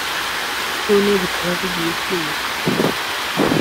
none bikaba bigiye kwimuka